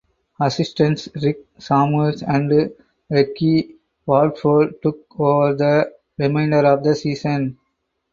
Assistants Rick Samuels and Reggie Warford took over for the remainder of the season.